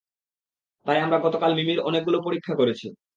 তাই আমরা গতকাল মিমির অনেকগুলো পরীক্ষা করেছি।